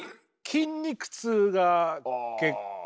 筋肉痛が結構。